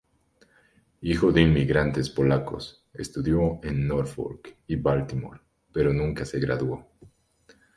Hijo de inmigrantes polacos, estudió en Norfolk y Baltimore pero nunca se graduó.